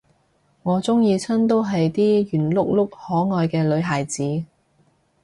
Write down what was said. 我鍾意親都係啲圓碌碌可愛嘅女孩子